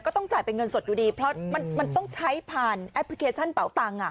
ต้องจ่ายเป็นเงินสดอยู่ดีเพราะมันต้องใช้ผ่านแอปพลิเคชันเป่าตังค์